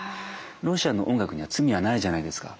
ロシアの音楽には罪はないじゃないですか。